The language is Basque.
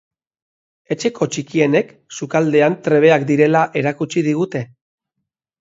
Etxeko txikienek sukaldean trebeak direla erakutsi digute.